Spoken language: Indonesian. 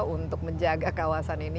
untuk menjaga kawasan ini